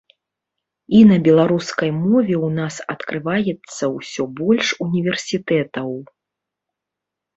І на беларускай мове ў нас адкрываецца ўсё больш універсітэтаў.